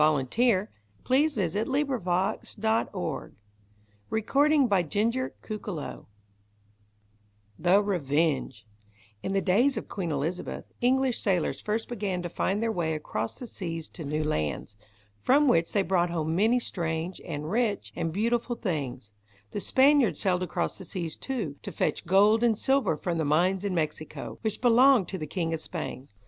[Illustration: SIR PHILIP SIDNEY AND THE DYING SOLDIER] =The "Revenge"= In the days of Queen Elizabeth, English sailors first began to find their way across the seas to new lands, from which they brought home many strange, and rich, and beautiful things. The Spaniards sailed across the seas too, to fetch gold and silver from the mines in Mexico, which belonged to the King of Spain.